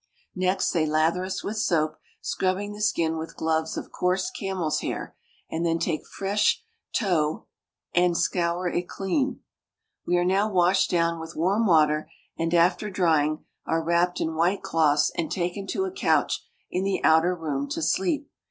Next they lather us with soap, scrubbing the skin with gloves of coarse camel's hair, and then take fresh tow and scour it clean. We are now washed down with warm water, and, after drying, are wrapped in white cloths and taken to a couch in the outer room to sleej).